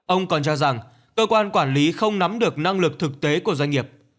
ông còn cho rằng cơ quan quản lý không nắm được năng lực thực tế của doanh nghiệp